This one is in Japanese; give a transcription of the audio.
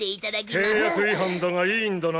契約違反だがいいんだな？